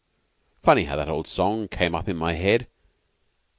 "Funny how that old song came up in my head.